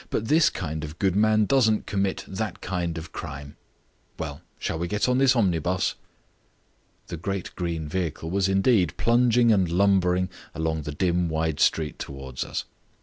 "But this kind of good man doesn't commit that kind of crime. Well, shall we get on this omnibus?" The great green vehicle was indeed plunging and lumbering along the dim wide street towards us.